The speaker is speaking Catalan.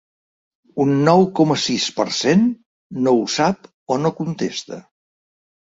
Un nou coma sis per cent no ho sap o no contesta.